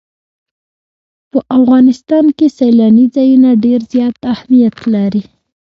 په افغانستان کې سیلاني ځایونه ډېر زیات اهمیت لري.